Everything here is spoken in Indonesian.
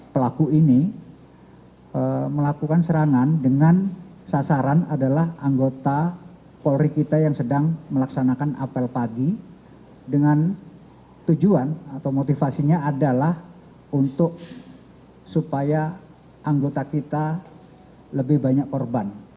pelaku ini melakukan serangan dengan sasaran adalah anggota polri kita yang sedang melaksanakan apel pagi dengan tujuan atau motivasinya adalah untuk supaya anggota kita lebih banyak korban